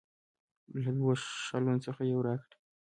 له دوه شالونو څخه یو راکړي.